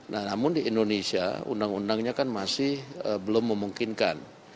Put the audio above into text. nah namun di indonesia undang undangnya kan masih belum memungkinkan